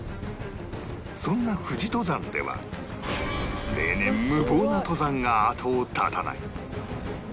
そんな富士登山では例年無謀な登山が後を絶たない